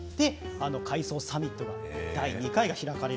海藻サミットの第２回が開かれる。